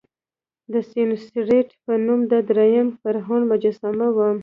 د سینوسریت په نوم د دریم فرعون مجسمه وه.